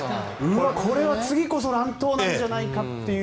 これは次こそ乱闘なんじゃないかっていう。